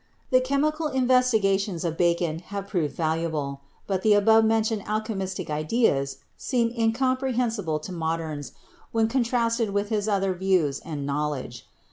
The chemical investigations of Bacon have proved valuable, but the above mentioned alchemistic ideas seem incom prehensible to moderns when contrasted with his other views and knowledge.